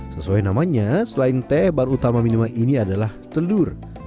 sesuai namanya selain teh bar utama minuman ini adalah telur